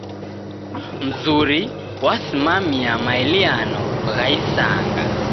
Mzuri wasimamia maeliano gha isanga.